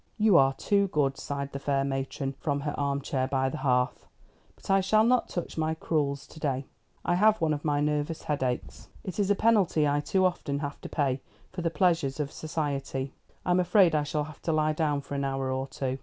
"You are too good," sighed the fair matron, from her arm chair by the hearth; "but I shall not touch my crewels to day. I have one of my nervous headaches. It is a penalty I too often have to pay for the pleasures of society. I'm afraid I shall have to lie down for an hour or two."